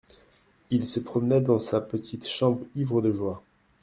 Il se promenait dans sa petite chambre ivre de joie.